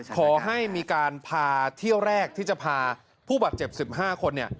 ขอให้มีการพาเที่ยวแรกที่จะพาผู้บาดเจ็บ๑๕คน